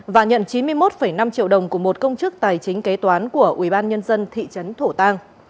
và nhận chín mươi một năm triệu đồng của một công chức tài chính kế toán của ubnd thị trấn thổ tàng